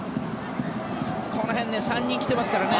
この辺ね３人来てますからね。